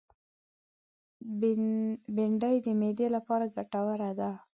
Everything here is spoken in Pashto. بېنډۍ د معدې لپاره ګټوره ده